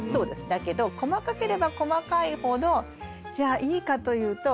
だけど細かければ細かいほどじゃあいいかというと。